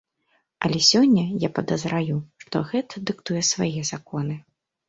Але сёння, я падазраю, што гэта дыктуе свае законы.